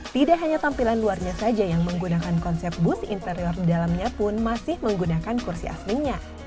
tidak hanya tampilan luarnya saja yang menggunakan konsep bus interior di dalamnya pun masih menggunakan kursi aslinya